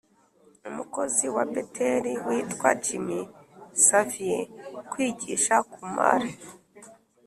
umukozi wa Beteli witwa Jimmy Xavier kwigisha Kumar